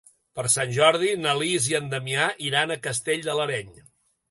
Per Sant Jordi na Lis i en Damià iran a Castell de l'Areny.